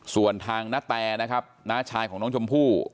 ส่วนทางนาแตนะครับน้าชายของน้องชมพู่